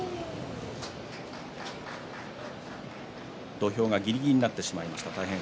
土俵がぎりぎりになってしまいました。